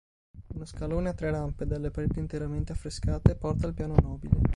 Uno scalone a tre rampe, dalle pareti interamente affrescate, porta al piano nobile.